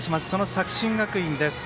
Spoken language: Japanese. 作新学院です。